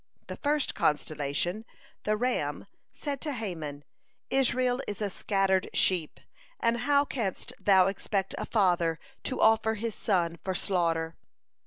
The first constellation, the Ram, said to Haman, "'Israel is a scattered sheep,' and how canst thou expect a father to offer his son for slaughter?"